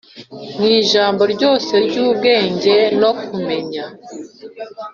Mu ijambo ryose ry’ubwenge no kumenya